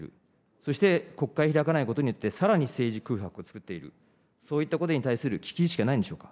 そして国会開かないことによって、さらに政治空白を作っている、そういったことに対する危機意識はないんでしょうか。